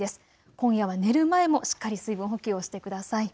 今夜は寝る前もしっかり水分補給をしてください。